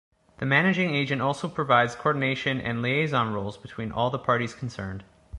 The managing agent also provides co-ordination and liaison roles between all the parties concerned.